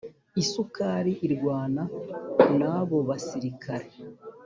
Isukari irwana nabobasirikare